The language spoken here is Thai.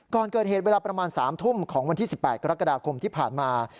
ก่อนเกิดเหตุเวลาประมาณ๓ทุ่มของวันที่๑๘กรกฎาคมที่ผ่านมา